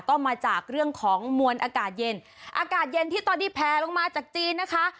ก็มาจากเรื่องของมวลอากาศเย็นอากาศเย็นที่ตอนนี้แพลลงมาจากจีนนะคะ